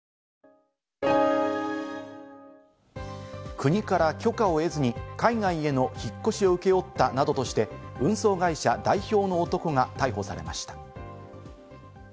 国から許可を得ずに海外への引っ越しを請け負ったなどとして運送会社代表の男が逮捕されました。